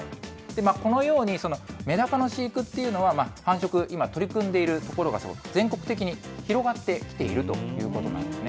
このように、メダカの飼育っていうのは、繁殖、今、取り組んでいる所が全国的に広がってきているということなんですね。